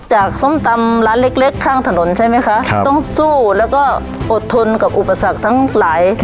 ส้มตำร้านเล็กเล็กข้างถนนใช่ไหมคะครับต้องสู้แล้วก็อดทนกับอุปสรรคทั้งหลาย